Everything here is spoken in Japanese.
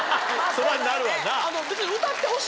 そりゃなるわな。